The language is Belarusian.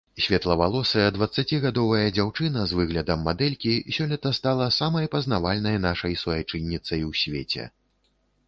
Светлавалосая дваццацігадовая дзяўчына з выглядам мадэлькі сёлета стала самай пазнавальнай нашай суайчынніцай у свеце.